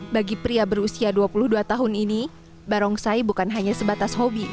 bagi pria berusia dua puluh dua tahun ini barongsai bukan hanya sebatas hobi